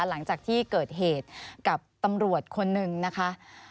หลังจากที่เกิดเหตุกับตำรวจคนหนึ่งนะคะ